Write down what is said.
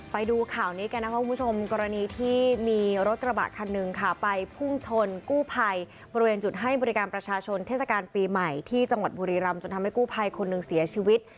ไปดูข่าวนี้กันนะคะคุณผู้ชมกรณีที่มีรถกระบะคันหนึ่งค่ะไปพุ่งชนกู้ภัยบริเวณจุดให้บริการประชาชนเทศกาลปีใหม่ที่จังหวัดบุรีรำจนทำให้กู้ภัยคนหนึ่งเสียชีวิต